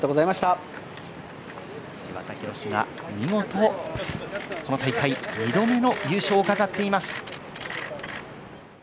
岩田寛が見事この大会２度目の優勝を飾っています。